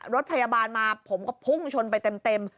รถพยาบาลมาผมก็พุ่งชนไปเต็ม